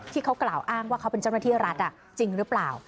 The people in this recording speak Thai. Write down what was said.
ที่เขากล่าวอ้างว่าเขาเป็นเจ้าหน้าที่รัฐจริงหรือเปล่า